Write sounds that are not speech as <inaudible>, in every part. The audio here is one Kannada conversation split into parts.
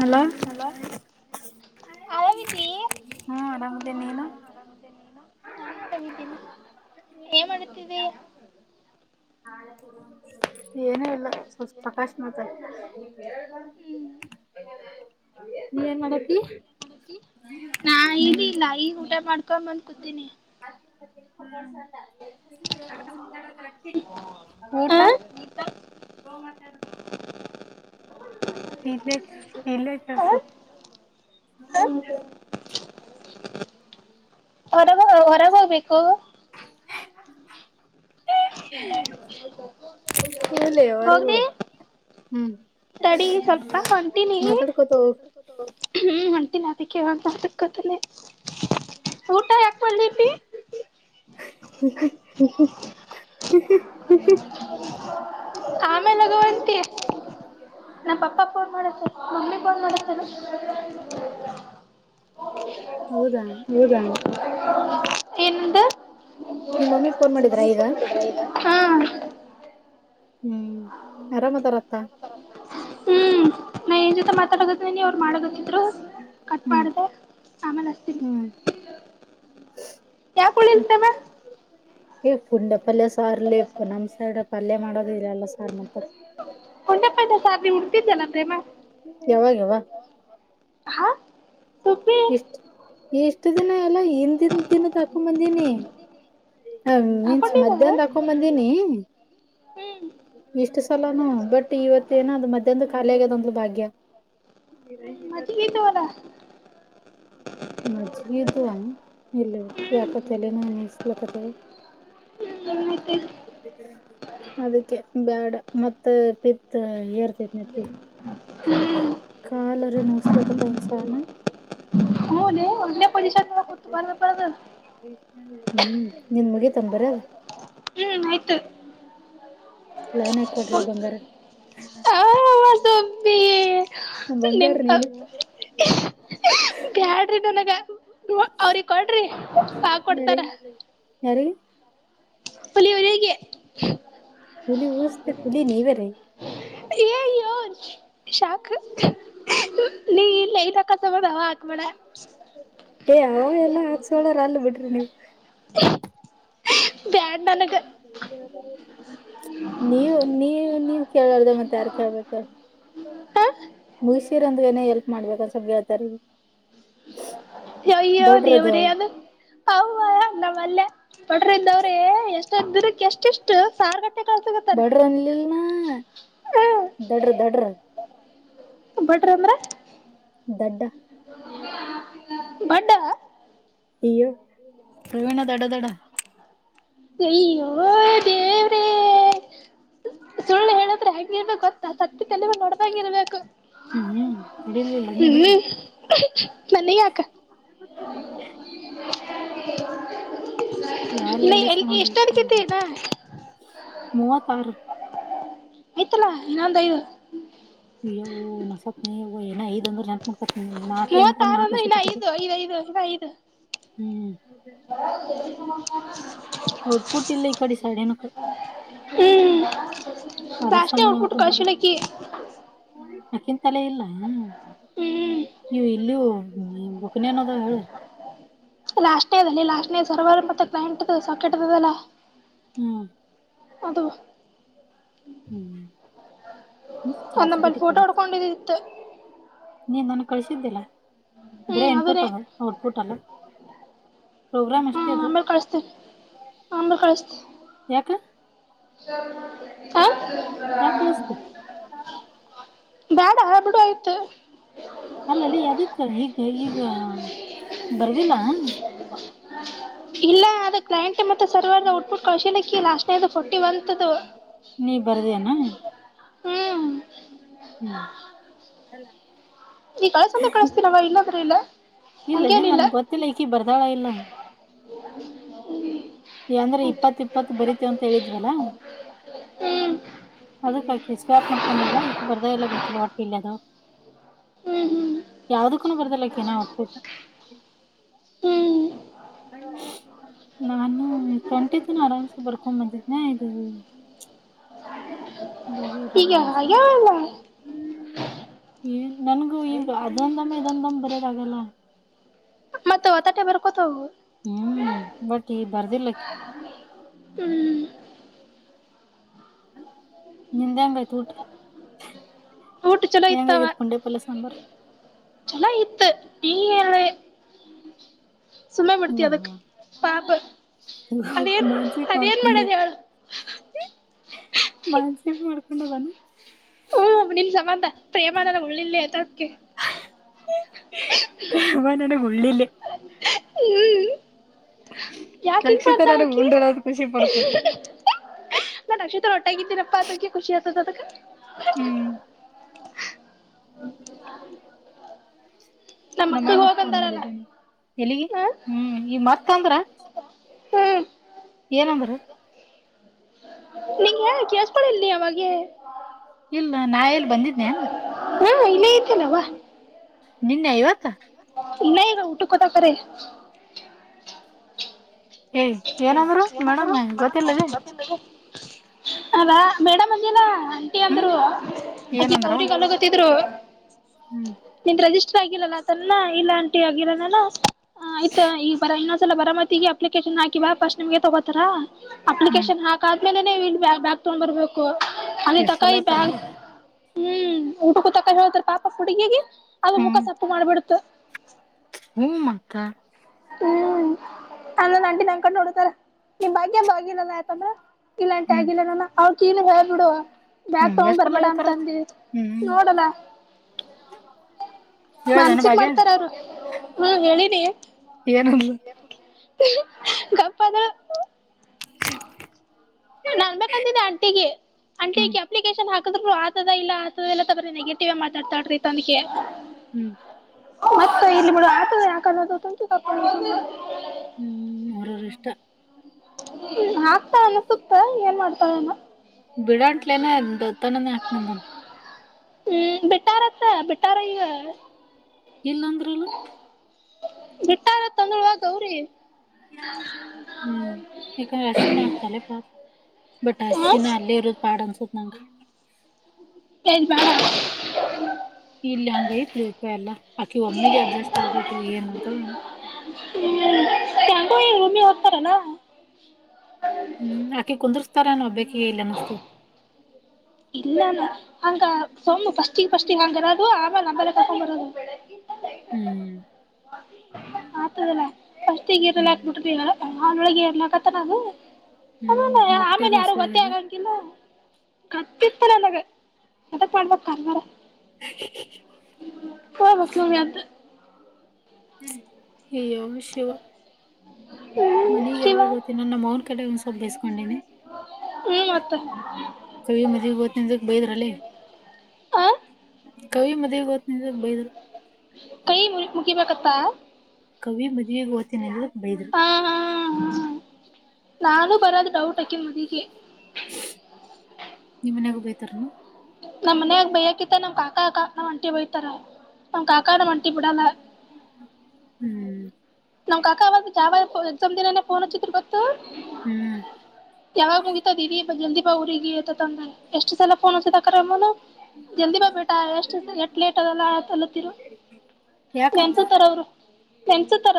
ಹಲೋ ಆರಾಮಿದ್ದಿ ಹ ನಾನು ಆರಾಮ್ ಇದ್ದೀನಿ. ಏನ್ ಮಾಡತಿದಿ. ಏನು ಇಲ್ಲ. ಸ್ವಲ್ಪ್ ಸೋಕಾಶ ಮಾತಾಡ್. ಹ್ಮ್ ನೀ ಏನ್ ಮಾಡತಿ. ನಾ ಇಬಿಲ್ಲ ಈಗ್ ಊಟ ಮಾಡ್ಕೊಂಡ್ ಬಂದ ಕುತ್ತಿನಿ. <unintelligible> ಹ್ಮ್ ಹ ಊಟ. ಸ್ಲೋ ಮಾತಾಡ. ಇಲ್ಲ ಇಲ್ಲ ಇಲ್ಲೇ ಇದ್ದ ಸ್ವಲ್ಪ್ ಸ್ಲೋ ಮಾತಾಡ. ಹೊರಗ ಹೊರಗ ಹೋಗ್ಬೇಕು. <unintelligible> ಹ್ಮ್ ಲೆ ಹೊರಗ ಹೋಗ್ಲಿ ಹೋಗ್. ತಡಿ ಸ್ವಲ್ಪ ಹೊಂಟಿನಿ ಹೋಗ್ ಹ್ಮ ಹೊಂಟಿನಿ ಅದ್ಕೆ. <unintelligible> ಊಟಾ ಯಾಕ್ ವಲ್ಲೆ ಅಪ್ಪಿ ಹ್ಮ್ಮ ಹ್ಮ್ ಹ್ಮ್ ಆಮೇಲ ನಗುವಂತಿ. ನಮ್ಮ ಪಪ್ಪಾ ಫೋನ್ ಮಾಡಾತ್ತಾರ್ ಮಮ್ಮಿ ಫೋನ್ ಮಾಡಾತ್ತಾರ್. ಹೌದಾ ಹೌದ. ನಿಂದು ನಿಮ್ ಮಮ್ಮಿ ಫೋನ್ ಮಾಡಿದ್ರಾ ಈಗ ಹಾ ಹ್ಮ್ ಅರಾಮ ಅದಾರ್ ಅತ್ತ. ನಿನ್ನೆ ಅವ್ರ ಮಾಡ ಕತ್ತಿದ್ರು ಕಟ್ ಮಾಡಿದೆ ಆಮೇಲ ಹು ಯಾಕ ಊಳಿಲ್ <unintelligible> ಹ ಪುಂಡ ಪಲ್ಯ ಸಾರ ಲೆ ಪಾ ನಮ್ ಸೈಡ್ ಪಲ್ಯ ಮಾಡೋದೇ ಇಲ್ಲ ಎಲ್ಲ ಸಾರ ಮಾಡ್ತಾರ. <unintelligible> ಯಾವಾಗ ಯವ್ವಾ. ಹಾ ಸುಬ್ಬಿ ಇಷ್ಟ ಇಷ್ಟ ದಿನ ಎಲ್ಲಾ ಹಿಂದೀನ್ ದಿನದ ಹಾಕೊಂಬಂದಿನಿ ಹ ಮೀನ್ಸ್ ಹಾಕೊಂಡಿದ ಮಧ್ಯಾಹ್ನದ ಹಾಕೊಂಡ್ ಬಂದೀನಿ. ಹ್ಮ್ ಇಷ್ಟ ಸಲಾನೂ. ಇವತ್ತ ಏನೋ ಅದು ಮಧ್ಯಾಹ್ನ ದಾಗ್ ಖಾಲಿ ಆಗ್ಯದ ಅಂದ್ಲ ಭಾಗ್ಯ. ಮಜ್ಜಿಗಿದ್ದವಲ್ಲ ಮಜ್ಗಿ ಇದ್ದುವಾ. ಇಲ್ಲ ಹ್ಮ್ ಯಾಕೊ ತಲೀನು ನುಸ್ಲಿಕ್ಕತದ. ಹ್ಮ ಅದಕ್ಕೆ ಬ್ಯಾಡ ಮತ್ತ ಪಿತ್ ಏರ್ತೆತ ನೆತ್ತಿಗ. ಕಾಲರೆ ನೋಸ್ಲ ಕತ ಒಸಣ <unintelligible> <unintelligible> ಹ್ಮ್ ನಿಂದು ಮುಗಿತೇನು ಬರೆದು ಹ್ಮ್ ಆಯ್ತು ಲೈನ್ ಹ ಕೊಡ್ರಿ ಬಂಗಾರ ಆ ಸೊಬ್ಬಿ ನ ಬಂಗಾರ ನಿನ್ ನೀ <unintelligible> ್ಯಾಾಡ್ರಿ ನನಗ ಅವ್ರಿ ಕೊಡ್ರಿ ಆಕ್ಕೊಡ್ತಾರ ಯಾರಿಗಿ ಯಾರಿಗಿ ಪಲ್ಲಿ <unintelligible> <unintelligible> ಹುಲಿ ಊಸ್ತ ಹುಲಿ ನೀವೇರಿ ಶಾಖ ನೀ <unintelligible> ಏ ಅವ ಎಲ್ಲ ಹಾಕ್ಸೋಳರ್ ಅಲ್ಲಿ ಬಿಟ್ರಿ ನೀವು <inaudible> ಬ್ಯಾಡ್ ನನಗ <unintelligible> ನೀವ ನೀವ ನೀವ ಕೇಳಾರ್ದ ಮತ್ತ ಯಾರ್ ಕೇಳ್ಬೇಕ ಹ ಮುಗಸಿರಂದ ಏನೇ ಎಲ್ಪ್ ಮಾಡ್ಬೇಕ ಸ್ ಬೇಳ್ತಾರಿಗೆ ಅಯ್ಯೋ ದೇವರೇ ಅದು ಅವ್ವ ನಾ ವಲ್ಲೆ ಎಷ್ಟೆಷ್ಟು ಸಾರ್ಗಟ್ಟೆ ಕಳ್ಸಗತ್ತಾರ ಬಡ <unintelligible> ದಡ್ರ ದಡ್ರ ದಾಡ್ರ ಅಂದ್ರೆ ದಡ್ಡ ಬಡಾ <unintelligible> ಇ ಪ್ರಮಣ ತಡ ತಡ ಅಯ್ಯೋ ದೇವ್ರೇ ಸುಳ್ಳು ಹೇಳದ್ರೆ ಹೇಗಿರ್ಬೇಕು ಗೊತ್ತಾ ಸತ್ಯ ತಲೆಮೇಲೆ ಒಡದಾಗೆ ಇರ್ಬೇಕು ಹ್ಮ ಹ್ಮ ನನಿಗ್ಯಾಕ <unintelligible> <inaudible> ಯಲ್ಲ ಹೇಳಿಸಕೊಂಡತಿ ಈಗ ನಾ ಮೂವತ್ತಾರು ಆಯ್ತಲ್ಲಾ ಇನೊಂದು ಐದು ಅಯ್ಯ ನಸತ್ನ ಏನ ಐದ ಅಂದ್ರೆೆ ನಕೇ ಅನ್ಕೊಂಡು ಮೂವತ್ತಾರ ನ ಅಂದ್ರೆ ಇನ್ನ ಖುಷಿಪಟ್ಟಿದ್ದು ಐದು ಐದ್ ಐದು ಇನ್ನ ಐದು ಹ್ಮ್ <inaudible> ಔಟ್ಪುಟ್ ಇಲ್ಲ ಈ ಕಡಿ ಸೈಡ್ ಏನಕ ಹ್ಮ್ ಅದರ ದಾಶನೆ ಸಂಬಂಧ ಹಡ್ಬಿಟ್ಟು ಅನ್ಕೊಂಡಿರ್ಬೇಕು ಕಳ್ಶಲಕ್ಕೆ ಅಕಿನ್ ತಲೆ ಇಲ್ಲ ಹ ಹ್ಮ್ ನೀವು ಇಲ್ಲಯೂ ಹ್ಮ ಬುಕನಿಯಡವೋ ಹೇಳು ಲಾಸ್ಟ್ನೇ ಅದಲ್ಲಿ ಲಾಸ್ಟ್ನೇ ಸರ್ವರ್ ಮತ್ತೆ ಕ್ಂಟ್ ಸಕಟದಲ್ಲಾ ಹ್ಮ್ ಅದು ಹ್ಮ್ ಚಾರ್ಜ್ ಒಂದಪಲ್ ಬಿಟ್ಟಿ ಫೋಟೋ ಕೊಡುತ್ತೆ ಹೊಡ್ಕೊಂಡಿದಿತ್ತು ನೀನ್ ನಾನ ಕಳಿಸಿದ್ದಿಲ್ಲ ಬರೇ ಹ್ಮ್ ಇನ್ಪುಟ್ ಅದನ್ನೇ ಅದು ಔಟ್ಪುಟ್ ಅಲ್ಲ ಪ್ರೋಗ್ರಾಮ್ ಅಷ್ಟೇ ಹ್ಮ್ ಅದು ಆಮೇಲೆ ಕಳಸ್ತೇವಿ ಆ ಆಮೇಲೆ ಕಳಸ್ತೇ ಯಾಕ ಹ <unintelligible> ಯಾಕ್ ಕಲಸ್ತೇ ಬೇಡ ಬಿಡು ಆಯ್ತು ಅಲ್ಲಲ್ಲಿ ಅದಕ್ಕ ಈಗ ಈಗ ಬರ್ದಿಲ್ಲ ಇಲ್ಲ ಅದ ಕ್ಲೈಂಟ್ ಮತ್ತೆ ಸರ್ವರ್ ಔಟ್ಬಿಟ್ಟ ಕೌಶಲ್ಯಕ್ಕೆಿ ಲಾಸ್ಟ್ನೇದು ಹಿವಂತದ್ದು ನೀ ಬರ್ದೇನಾ ಹ್ಮ್ ಹ್ಮ್ ಈ ಕಳಸಂದೆ ಕಳಿಸ್ತೀನವ ಇನ್ನಾದ್ರ ಇಲ್ಲ ಇಲ್ಲಲ್ಲ ಹಂಗೇನಿಲ್ಲ ನನ್ಗ್ ಗೊತ್ತಿಲ್ಲ ಈಕಿ ಬರ್ತಾಳ ಇಲ್ಲ ಹ <inaudible> ಯಂದ್ರೆ ಇಪ್ಪತ್ ಇಪ್ಪತ್ತು ಬರಿೀತೇವ ಅಂತ ಹೇಳಿದ್ವಲ್ಲ ಹ್ಮ್ ಅದಕ್ಕ ಎ್ಯಾಪ್ ಮಾಡ್ಕೊಂಡಿವಲ್ಲ ಈಗ ಬರ್ದ ಎಲ್ಲ ಗೊತ್ತಿಲ್ಲ ಒಟ್ಟೆ ಇಲ್ಲಿ ಅದು ಹ್ಮ್ ಹ್ಮ್ <inaudible> ಯಾವ್ದಕ್ಕೂನ ಬರ್ದಲ್ಲಕನಾ ಒಬಿಟ ಹ್ಮ್ <unintelligible> ನನ್ ಹ್ಮ ಟ್ವೆಟಿ ಆರಾಮ್ಸೆ ಬರ್ಕೊ ಬಂದಿದನ ಇದು ಗೆ ಬಗೆಹರಿಲಿಲ್ಲ ಅನ್ಸುತ್ತೆ ಆಗ ಅಲ್ಲ ಈ ನನ್ಗೂ ಈಗ ಅದೊಂದಮ್ಮ ಇದೊಂದಮ್ ಬರದ ಆಗಲ್ಲ ಮತ್ತ ಹೊತಾಟೆ ಬರ್ಕೊತ ಹವು ಹ್ಮ್ ಬಟ್ ಈ ಬರ್ದಿಲ್ಲಕ್ಕ ಹ್ಮ್ ನಿಂದ್ ದಾ ಬಯತೂಟ ಊಟ ಯಂಗ ಗತ್ತು ಪುಂಡೆ ಪಲ್ಲ ಸಾಂಬಾರ ಚೆನ್ನಾಗಿತ್ತು ನೀ ಹೇಳಿ ಸುಮ್ಮ ಪಡ್ತಿ ಅದಕ್ ಪಾಪು ಮಾನ್ಸಕ್ ಮಾಡ್ಕೊಂಡು ಮಾಡದ್ ಹೇಳು ಮಾನ್ಸ ಮಾಡ್ ಹೊಂಡ ಬಾನ <inaudible> ಹ್ಮ ನಿಮ ಸಂಬಂಧ ಪ್ರೇಮನಲ್ಲ ಉಳ್ಳಿಲ್ಲತದಕ್ಕೆ ಮನ ಗು ಹ್ಮ್ ಯಾಕ ಹಗ ರಕ್ಷಿತ ನನಗ್ ಮಾಡರ್ತಾಳಕೆ ಉಂಡಿರೋದು ಖುಷಿ ಪಡ್ತದೆ ನಾ ನಕ್ಷತ್ರ ಒಟ್ಟಾಗಿದ್ದೀರಪ್ಪಾ ಅದಕ್ಕೆ ಖುಷಿ ಆತದ ಅದಕ್ಕ ಹ್ಮ್ ಹ ನ ಅಣ್ಣಕ್ ಫೋನ್ ಮಾಡಿದ್ದೇನೆ ಎಲ್ಲಿಗ ಹ ಹ್ಮ್ ಈ ಮರ್ತ ಅಂದ್ರ ಹ್ಮ್ ಏ ನಂಬರು ನಿಂ ಹೇಳ ಕಳ್ಸ್ಕಲ್ಲಿ ಅವಾಗೆ ಇಲ್ಲ ನಾ ಎಲ್ಲಿ ಬಂದಿದ್ದನೆ ಹಾ ಇಲ್ಲ ಐತೆನವಾ ನಿನ್ನೆ ಇವತ್ತ ನ ಗ ಉಊಟು ಕದ ಕೇ ಏಯ್ ಹ ಏನಂದ್ರು ಮೇಡಮ್ ಏನಾದರು ಮಾಡ ಗೊತ್ತಿಲ್ಲದೆ ಗೊತ್ತಿಲ್ಲ ಅಲಾ ಮೇಡಮ್ ಅಲ್ಲಿನಾ ಅಂಟಿ ಹ್ಮ್ ಅಂದ್ರು ಏನಂದ್ರವ ಅರಿ ಗತ್ತಿದ್ರು ಹ್ಮ್ ನಿ ರಜ ರಲ್ಲ ಇಲ್ಲಾಟಿ ಆಗಿರ ಆ ಈ ಬ ಇನ್ನೊಂದ್ಲ ಬರ ಮತಿ ಅಪ್ಲಿಕೇಶನ್ ಹಾಕ ವ ಪಸ್ಟ್ ನಿಮ್ಗೆ ತಗೋತಾರಾ ಹ್ಮ್ ಅಪ್ಲಿಕೇಶನ್ ಹಾಕ್ದ್ಮೇಲೆ ನೀವು ಇಲ್ಲಿ ಬ್ಯಾಕ್ ತಗೊಂಡ್ ಬರ್ಬೇಕು ಹಲ್ಲಿ ಎಷ್ಟ್ ತಕಾಯಿ ಸಲ ಬ್ಯಾಗ ಐತಾರಲ್ಲ ಹ್ಮ್ ಊಟಕ್ಕೂ ತಕಾಯಿ ಹೇಳ್ತಾರೆ ಪಾಪ ಹುಡುಗಗೆ ಅ ಮುಖ ಹ್ಮ್ ಸೊಪ್ಪ ಮಾಡ್ಬಿಡತು ಹ್ಮ ಮಾತ್ತ ಹ್ಮ್ ಅಂದೊಂದ ಅಂಟ ನನ್ ಕೊಂಡ ನೋಡತಾರ ನಿಮ್ ಬಾಗ್ಯ ಆಗಿರಲ್ಲ ಯತಂದ್ರ ಇಲ್ಲಂಟಿ ಹ್ಮ್ ಆಗಿಲ್ಲ ನಾನ ಅವ್ರ ಕನ ಹೇಬಿಡುವ ಬ್ಯಾಕ್ ಹ್ಮ್ ತಗ್ ಎಷ್ಟ ಸಲ ಬರ್ಬೇಡ ಹೇಳ್ತಾರತ್ ಅಂತಂದ ಹ್ಮ್ ನೋಡಲ್ಲ ಹೇಳ್ದನ ಮನ್ಸಿಗೆ ಭಾಗ್ಯ ಮಾಡ್ತಾರ ಅವರು ಹ ಹೇಳ ಪೆ ಏನಂದ್ಲು ಹ್ಮ <inaudible> ನಾನ್ ಅನ್ಬೇಕು ಅಂತಿದೆ ಅಂಟಿಗೆ ಅಂಟ ಹ್ಮ್ ಅಪ್ಲಿಕೇಶನ್ ಹಾಕದ್ರು ಆತದ ಇಲ್ಲ ನೆಗೆಟಿವ್ ಮಾತಾಡ್ತಾಡ್ರಿ ತನಿಗೆ ಹ್ಮ್ ಮತ್ತ ಇ ಬಿಡ ಕಲದು <inaudible> ಟು ಕಪಡ ಬ ಹ್ಮ್ ಅವರು ಇಷ್ಟ ಹಾಕ್ತಾಲ್ ಅನಾಕುತ್ತ ಏನ್ ಮಾಡ್ತಳ ಏನ. ಬಿಡಂಟ್ಲೇನೆ ದತ್ತನನ ಹಾಕ್ನಂದನ. ಹ್ಮ್ ಬಿಟ್ಟಾರಾಂತೆ ಬಿಟರ ಇವ. ಇಲ್ಲಂದ್ರ ಇಲ್ಲ. ಬಿಟ್ಟಾರ ತಂದವ ಗೌರಿ. ಹ್ಮ್ ಈಕ ಅಶ್. <unintelligible> ಬಟ್ ಹ ಅಶಿನ ಅಲ್ಲೇ ಇರೋದ ಪಾಡ್ ಅನ್ಸತ್ ನಂಗ. ಹೈ ಬೇಡವಾ. ಇಲಯಂಗೈತ್ ಫೆ ಪೆಲ್ಲ. ಅಕಿ ಒಮ್ಮಿಗೆ ಅಡ್ಜಸ್ಟ್ ಆಗು ಏನ್ ಮಾಡ್ತಳೋ ಏನೋ. ಕೆಂತ ರೂಮಿಗ್ ಹೋಗ್ತಾರೇನು. ಹ್ಮ್ ಆಕಿ ಕುಂದ್ರುಸ್ತಾರೇನೋ ಒಬ್ಬಕಿಗೆ ಇಲ್ ಅನುಸ್ತಾದ. ಇಲ್ಲಾನ ಹಂಗ ಫೋನ್ ಫರ್ಸ್ಟ್ಗ್ ಫಸ್ಟಿಗೆ ಹಂಗ ಇರೋದು ಆಮೇ ನಂಬಲೆ ತಾಕೊಂಡ್ ಬರೋದು. ಹ್ಮ್. ಆತರನ. ಅಷ್ಟಿಗೆ ಗೀರೂಲಿ ಹ್ಮ್ ಹಾಕೆಬಿಟ್ಟು ಯಲಾ ಎಲ್ಲ ಹಾಕ್ಬಿಟ್ರಿ. <unintelligible> ಹ್ಮ್ ಅಲ್ಲ ಹೊಟ್ಟೆರ ಆಮೇಲೆ ಯಾರು ಗೊತ್ತೆ ಹಸುವಾಗ್ಯದ ಆಗಂಗಿಲ್ಲ. ಕಟ್ಟಿತಲ್ಲ ಅಂದಾಗ ಎದಕ್ ಮಾಡ್ಬೇಕಕ್ ಕರ್ವಾರ. <unintelligible> ಅಯ್ಯೋ ಶಿವ. ಹ್ಮ್ ಮನೀಗ್ ಶಿವ ಯಾವಗ್ ಹೋತೀನಿ ನಮ್ಮ ಕಡೆ <unintelligible> ಬೇಸ. ಹ್ಮ್. ಮತ್ತ <unintelligible> ಕವಿ ಮದಗತ್ತು ಆ ಟೈಮ್ ಮುಕಿಬೇಕತ್ತಾ. ಕವಿ ಮದುವೆ ಬೈದರು. ಆ ಹಾ ಹಾ ಹಾ ನಾನು ಬರದು ಡೌಟ್ ಹಕಿ ಮದಿಗೆ. ನಿಮ್ಮನ್ಯಾಗು ಬೈತಾರೇನು. ನಮ್ನನ್ಯಾಗ ಬೈಯಾಕತ್ತ ನಮ್ ಕಾಕಾ ಅ ನಮ್ ಅಂಟಿ ಬಯತಾರ ನಮ್ ಕಾಕಾ ನಮ್ ಅಂಟಿ ಬಿಡಲ್ಲ. ಹ್ಮ್. ನಮ್ ಕಕ್ಕ ಅವಾಗ ಯಾವ ಎಕ್ಸಾಮ್ ದಿನಾನೆ ಫೋನ್ ಹಚ್ಚಿದ್ರೆ ಗೊತ್ತ. ಹ್ಮ್ಮ್ ಹ್ಮ್ ಯವಾಗ ಮುಗಿತಾದ್ ಜಲ್ದಿ ಬಾ ಊರಿಗೆ ತಂದ್ರ ಎಷ್ಟು ಸಲ ಫೋನ್ <unintelligible> ಬಬೇಟ ಎಷ್ಟು ಎಟ್ ಲೇಟ್ ಅದೆಲ್ಲ ತಲತೀರಾ. ಯಾಕಕ್ಕ ಫ್ರೆಂಡ್ಸ್ ತರ ಬ್ರೋ ಅವರು ಫ್ರೆಂಡ್ಸ್ ತರ.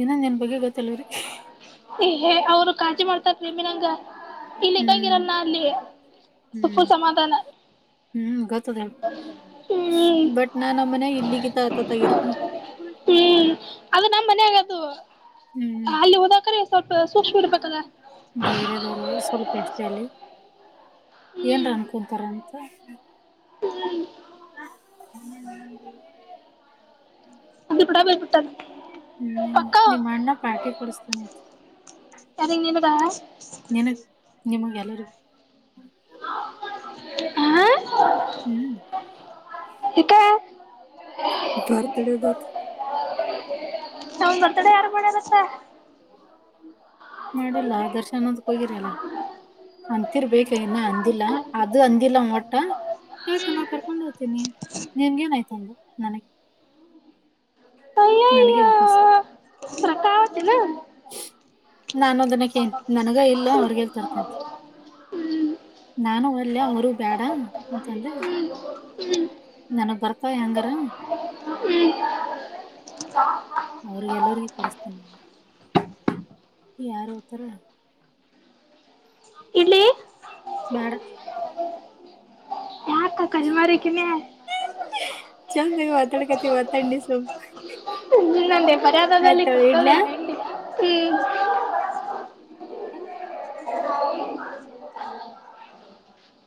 ಇಏನಂದ ನಿನ್ ಬಗ್ಗೆ ಗೊತ್ತಲ್ವರಿ. ಹೇ ಅವ್ರು ಕಾಜಿ ಮಾಡ್ತಾರ ನಿಮಿನಂಗ. ಇಲ್ಲಿ ಹ್ಮ್ ಗಂಗಿರಲಾ ಅಲ್ಲಿ ಸುಪ್ಪು ಹ್ಮ್ ಸಮಾಧಾನ. ಹ್ಮ್ ಗೊತ್ತದೆ ಹೇಳು ಹ್ಮ್ ಬಟ್ ನಾಮ್ಮನೆಗ್ ಇಲ್ಲಿಗಿಂತ ಆತ. <unintelligible> <unintelligible> ಹ್ಮ್ ಅದು ನಮ್ಮ್ ಮನೆಗ್ ಅದು ಹ್ಮ್ ಅಲ್ಲಿ ಓದಾಕರಿ ಇಂಸ್ವಲ್ಪ ಸ್ವಲ್ಪ ಸೂಕ್ಷ್ಮ ಇಡ್ಬೇಕಲ್ಲ. ಬೆರೆದರಾವ್ ಸ್ವಲ್ಪ ಎಷ್ಟ ಅಲ್ಲಿ ಏನ್ರ ಹ್ಮ್ ಅನ್ಕೊತಾರ ಅಂತ. ಹ್ಮ. <unintelligible> <unintelligible> ಹ್ಮ್ ಪಕ್ಕ ನಿಮ್ ಅಣ್ಣ ಪಾರ್ಟಿ ಕೊಡುಸ್ತಾನ್ ಅಂತೇ. ನಿನುಬಾ. ಎಲ್ಲರು. ಹಾ. ಹ್ಮ್ <unintelligible> ಬರ್ತ್ಡೇದು. <unintelligible> ಅವ್ನ್ ಬರ್ತಡೆ ಯಾರ್ ಮಾಡೋರಂತೆ. ಮಾಡಿಲ್ಲ ದರ್ಶನದಕ್ಕೆ ಹೋಗಿರಲ್ಲ. ಅಂತಿರ್ಬೇಕ ಇನ್ನ ಅಂದಿಲ್ಲ ಅದು ಅಂದಿಲ್ಲ ಒಟ್ಟ. ಯಾಕ ನಾ ಕರ್ಕೊಂಡ್ ಹೋಗ್ತೀನಿ ನಿನ್ಗೇನಯ್ತುಂದು ನನಗೆ ನನಗೆ ಅಯ್ಯಯ್ಯೋ ವಾಪಸ್. ರೊಕ್ಕ ಆವತ್ತೇನ ನಾನು ಅದನ್ನೆಕ್ಕೆ ನನಗ ಇಲ್ಲ ಅವ್ರಗಲ್ ತರ್ತೇನೆಂತ. ಹ್ಮ್ ನಾನು ಒಲ್ಲೆ ಅವರು ಬೇಡ ಅಂತಂದೆ. ಹ್ಮ್ ನನಗ್ ಕರ್ಕೊ ಹೆಂಗಾರ. ಹ <unintelligible> ಅವ್ರಿಗೆ ಎಲ್ಲರಿಗೂ ಕೊಡುಸ್ಥನ ಯಾರು ಹೋಕ್ತಾರ. ಇಲ್ಲಿ <unintelligible> ಬೇಡ ಯಾರ ಕಲ್ಮರಿಕಿನೆ. ಚೆನ್ನಾಗಿ ಮಾತಾಡಕತ್ತಿ ಮಾತಾಡು ನೀ ಸಂಪು. ನಂದೇ ಪರಾತದಲ್ಲಿ ಇಡ್ಲ್ಯಾ <unintelligible> ಹ್ಮ್ ಇ <unintelligible> ಹ <unintelligible>